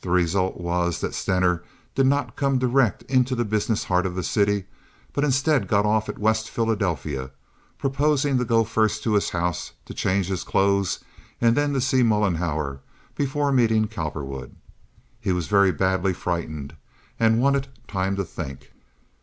The result was that Stener did not come direct into the business heart of the city, but instead got off at West Philadelphia, proposing to go first to his house to change his clothes and then to see Mollenhauer before meeting Cowperwood. He was very badly frightened and wanted time to think.